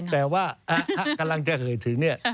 แต่ว่ากำลังจะเอ่ยถึงเนี่ย